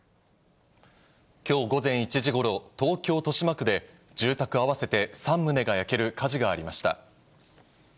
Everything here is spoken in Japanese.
きょう午前１時ごろ、東京・豊島区で、住宅合わせて３棟が焼ける火事がありました。